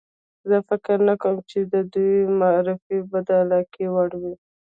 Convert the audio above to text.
زه فکر نه کوم چې د دوی معرفي به د علاقې وړ وي.